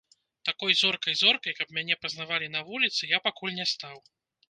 Такой зоркай-зоркай, каб мяне пазнавалі на вуліцы, я пакуль не стаў.